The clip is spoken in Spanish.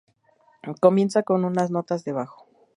Comienza con unas notas de bajo.